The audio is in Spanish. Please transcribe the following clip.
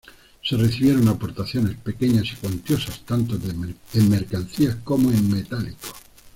Se recibieron aportaciones pequeñas y cuantiosas, tanto en mercancías como en metálico.